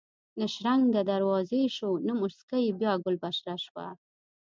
نه شرنګ د دروازې شو نه موسکۍ بیا ګل بشره شوه